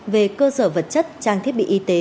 về cơ sở vật chất trang thiết bị y tế